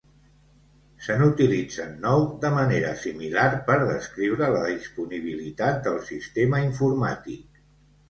Se n'utilitzen nou de manera similar per descriure la disponibilitat del sistema informàtic.